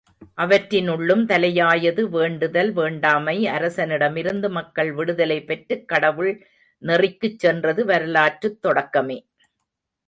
அவற்றினுள்ளும் தலையாயது வேண்டுதல் வேண்டாமை அரசனிடமிருந்து மக்கள் விடுதலை பெற்றுக் கடவுள் நெறிக்குச் சென்றது வரலாற்றுத் தொடக்கமே.